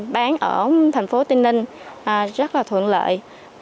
bán ở thành phố tây ninh rất là thuận lợi